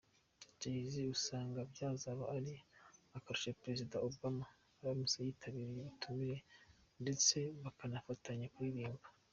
Jay-Z asanga byazaba ari akarusho Perezida Obama aramutse yitabiriye ubutumire ndetse bakanafatanya kuririmba.